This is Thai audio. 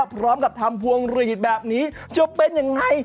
พร้อมกับทำพวงหลีดแบบนี้จะเป็นยังไง